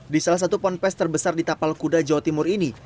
di salah satu ponpes terbesar di tapal kuda jawa timur ini